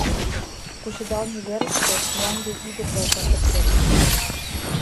Кучедалме верыште мланде идым гай такырген.